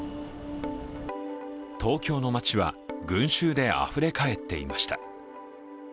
東京の街は群衆であふれかえっていました。